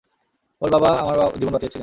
ওর বাবা আমার জীবন বাঁচিয়েছিলেন।